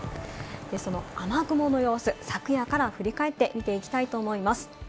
その雨雲の様子、昨夜から振り返ってみていきたいと思います。